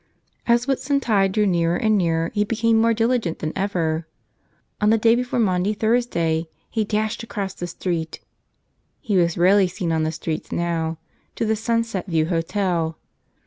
As Whitsuntide drew nearer and nearer he became more diligent than ever. On the day before Maundy Thursday he dashed across the street (he was rarely seen on the streets now) to the Sunset View Hotel.